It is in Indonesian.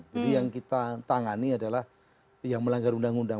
jadi yang kita tangani adalah yang melanggar undang undang